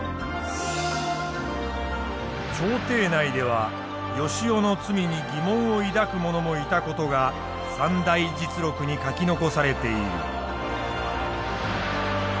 朝廷内では善男の罪に疑問を抱く者もいた事が「三代実録」に書き残されている。